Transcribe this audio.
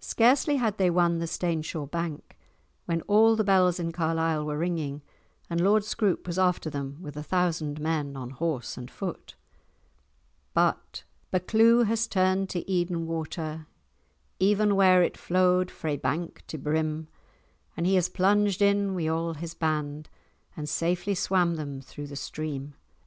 Scarcely had they won the Staneshaw bank when all the bells in Carlisle were ringing and Lord Scroope was after them with a thousand men on horse and on foot. But— "Buccleuch has turn'd to Eden water Even where it flowed frae bank to brim, And he has plunged in wi' a' his band, And safely swam them through the stream.